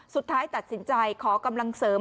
สุดท้ายตัดสินใจขอกำลังเสริม